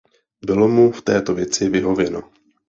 Bylo mu v této věci vyhověno.